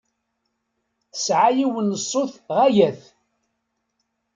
Tesɛa yiwen n ṣṣut ɣaya-t.